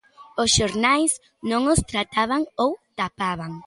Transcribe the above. Os xornais non os trataban ou tapaban.